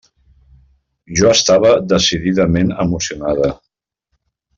Jo estava decididament emocionada.